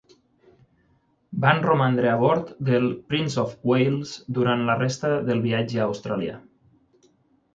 Van romandre a bord del "Prince of Wales" durant la resta del viatge a Austràlia.